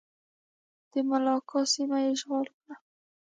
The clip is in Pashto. د ملاکا سیمه یې اشغال کړه.